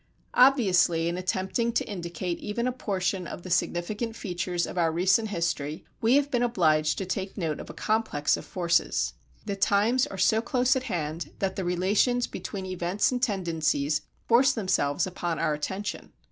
[322:1] Obviously in attempting to indicate even a portion of the significant features of our recent history we have been obliged to take note of a complex of forces. The times are so close at hand that the relations between events and tendencies force themselves upon our attention.